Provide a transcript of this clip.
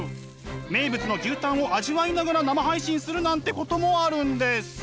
名物の牛タンを味わいながら生配信するなんてこともあるんです。